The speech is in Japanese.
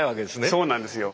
そうなんですよ。